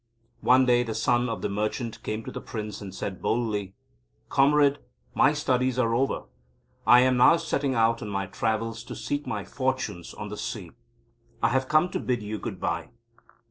One day the Son of the Merchant came to the Prince, and said boldly: "Comrade, my studies are over. I am now setting out on my travels to seek my fortunes on the sea. I have come to bid you good bye."